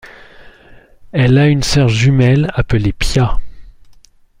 Elle a une soeur jumelle appelée Pia.